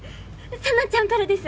紗菜ちゃんからです！